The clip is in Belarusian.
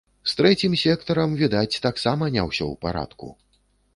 З трэцім сектарам, відаць, таксама не ўсё ў парадку.